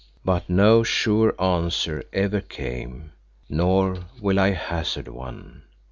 But no sure answer ever came, nor will I hazard one.